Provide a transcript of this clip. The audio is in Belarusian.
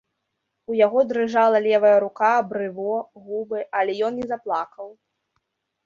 У яго дрыжала левая рука, брыво, губы, але ён не заплакаў.